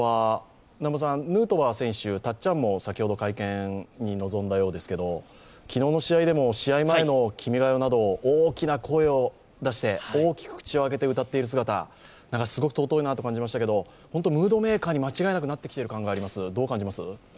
ヌートバー選手、たっちゃんも先ほど、会見に臨んだようですけど昨日の試合でも試合前の「君が代」など、大きな声を出して、大きく口を開けて歌っている姿、すごく尊いなと感じましたが、ムードメーカーに間違いなくなっている感じがします。